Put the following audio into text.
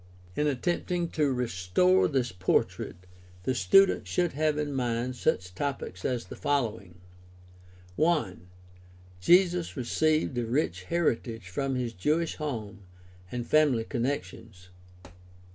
In attempting to restore this portrait the student should have in mind such topics as the following: 1. Jesus received a rich heritage from his Jewish home and family connections.